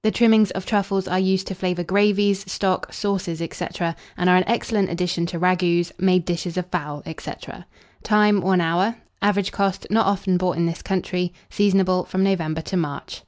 The trimmings of truffles are used to flavour gravies, stock, sauces, &c. and are an excellent addition to ragouts, made dishes of fowl, &c. Time. 1 hour. Average cost. Not often bought in this country. Seasonable from November to March.